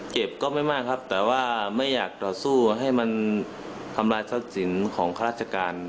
เก็บก็ไม่มากครับแต่ว่าไม่อยากต่อสู้ให้มันทำลายสทัลสินของเข้ารักษาการ